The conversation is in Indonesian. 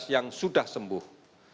yang sudah sembuh